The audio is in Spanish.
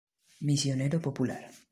Misionero popular.